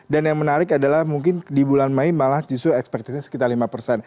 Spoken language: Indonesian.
dan yang menarik adalah mungkin di bulan mei malah justru ekspektasinya sekitar lima